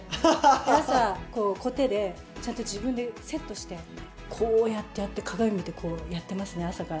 朝、コテで、ちゃんと自分でセットして、こうやってやって、鏡見てこうやってますね、朝から。